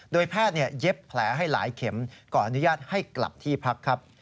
โดยแพทย์เย็บแผลให้หลายเข็มก่อนอนุญาตให้กลับที่พักครับ